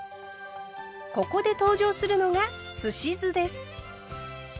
ここで登場するのがすし酢です。